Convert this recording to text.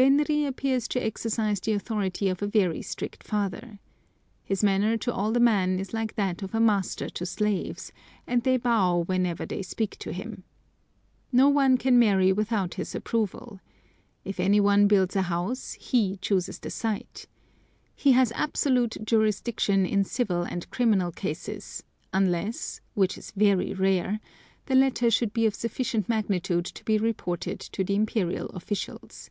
Benri appears to exercise the authority of a very strict father. His manner to all the men is like that of a master to slaves, and they bow when they speak to him. No one can marry without his approval. If any one builds a house he chooses the site. He has absolute jurisdiction in civil and criminal cases, unless (which is very rare) the latter should be of sufficient magnitude to be reported to the Imperial officials.